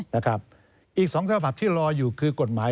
นะครับอีก๒สภาพที่รออยู่คือกฎหมาย